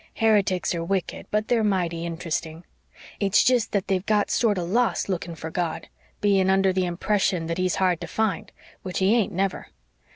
Heretics are wicked, but they're mighty int'resting. It's jest that they've got sorter lost looking for God, being under the impression that He's hard to find which He ain't never.